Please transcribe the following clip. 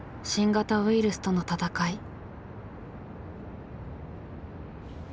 新型ウイルスとの闘い。